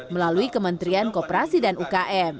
melalui kementerian kooperasi dan ukm